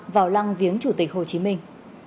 bảo lăng viếng chủ tịch hồ chí minh